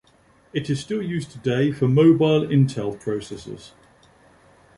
It is still used today for mobile Intel processors.